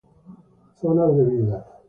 Zonas de vida.